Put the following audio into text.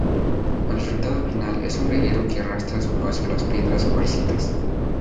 El resultado final es un reguero que arrastra a su paso las piedras cuarcitas.